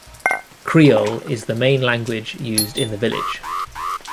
Creole is the main language used in the village.